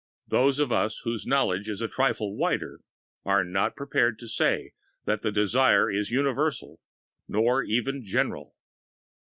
Those of us whose knowledge is a trifle wider are not prepared to say that the desire is universal or even general.